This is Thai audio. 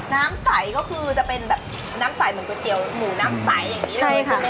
น้ำใสก็คือจะเป็นน้ำใสเหมือนก๋วยเตี๋ยวหมูน้ำใสอย่างนี้